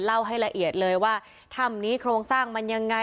เล่าให้ละเอียดเลยว่าถ้ำนี้โครงสร้างมันยังไง